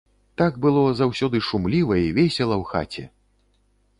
Так было заўсёды шумліва і весела ў хаце!